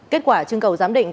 kết quả trưng cầu giám định